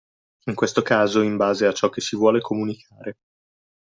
In questo caso in base a ciò che si vuole comunicare.